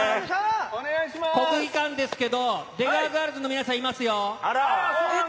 国技館ですけれど、出川ガールズの皆さんがいますよ。